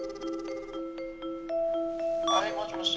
はいもしもし。